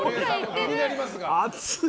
気になりますが。